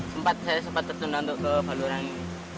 saya sempat tertunda untuk ke baluran ini